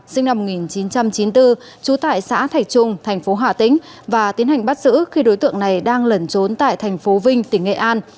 sinh năm một nghìn chín trăm chín mươi bốn trú tại xã thạch trung thành phố hà tĩnh và tiến hành bắt giữ khi đối tượng này đang lẩn trốn tại thành phố vinh tỉnh nghệ an